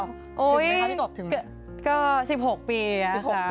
เป็นไหมครับพี่กบถึงอะไรนะก็๑๖ปีนะครับค่ะ